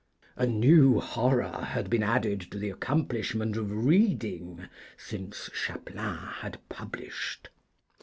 A new horror had been added to the accomplishment of reading since Chapelain had published.